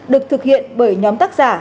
được thực hiện bởi nhóm tác giả